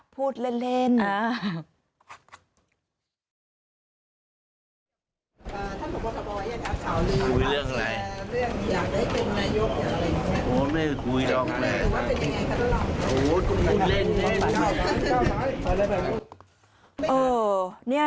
พูดเล่น